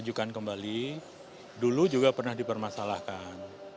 ajukan kembali dulu juga pernah dipermasalahkan